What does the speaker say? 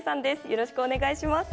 よろしくお願いします。